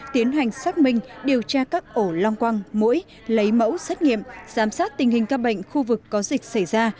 tiến hành xác minh điều tra các ổ long quăng mũi lấy mẫu xét nghiệm giám sát tình hình các bệnh khu vực có dịch xảy ra